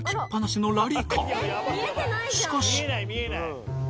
しかし。